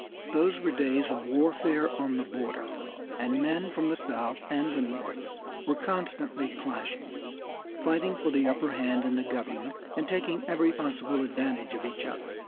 Those were days of warfare on the border, and men from the south and the north were constantly clashing, fighting for the upper hand in the government, and taking every possible advantage of each other.